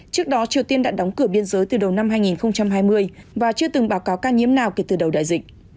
trước đó triều tiên đã đóng cửa biên giới từ đầu năm hai nghìn hai mươi và chưa từng báo cáo ca nhiễm nào kể từ đầu đại dịch